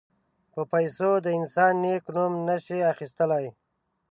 په پیسو د انسان نېک نوم نه شي اخیستلای.